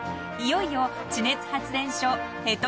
［いよいよ地熱発電所］